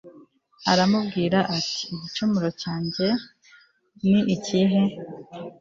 aramubwira ati “igicumuro cyanjye ni ikihe?